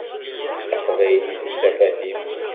D taqbaylit i d tafat-im.